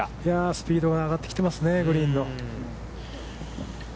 スピードが上がってきてますね、グリーンの。